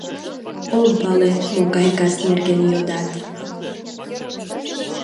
— Ом пале, могай кас нерген йодат.